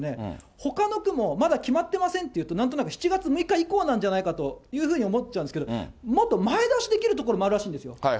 ほかの区もまだ決まってませんと言うと、なんとなく７月６日以降なんじゃないかと思っちゃうんですけれども、もっと前倒しできるところもあるらしいんですよ。